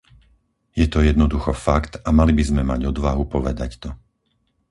Je to jednoducho fakt, a mali by sme mať odvahu povedať to.